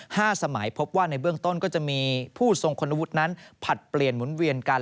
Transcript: สมัยพบว่าในเบื้องต้นก็จะมีผู้ทรงคุณวุฒินั้นผลัดเปลี่ยนหมุนเวียนกัน